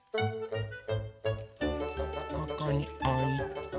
ここにおいて。